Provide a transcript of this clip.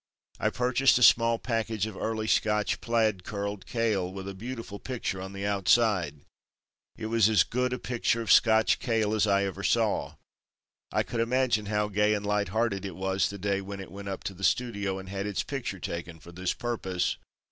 I purchased a small package of early Scotch plaid curled kale with a beautiful picture on the outside. It was as good a picture of Scotch kale as I ever saw. I could imagine how gay and light hearted it was the day when it went up to the studio and had its picture taken for this purpose.